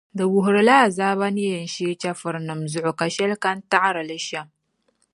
Di wuhirila azaaba ni yɛn shee chεfurinima zuɣu ka shɛli kani taɣiri li shɛm.